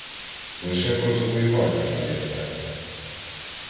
Лише про завоювання пам'ятаєте